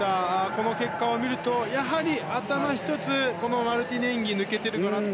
この結果を見ると、やはり頭１つマルティネンギが抜けているのかなと。